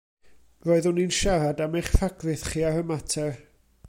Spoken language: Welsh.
Roeddwn i'n siarad am eich rhagrith chi ar y mater.